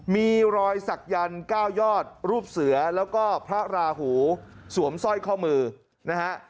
มีรอยสักยันต์๙ยอดรูปเสือแล้วก็พระราหูสวมสร้อยข้อมือนะฮะ